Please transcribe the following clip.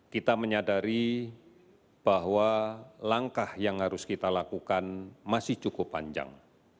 kita menyadari bahwa langkah yang harus kita lakukan masih cukup panjang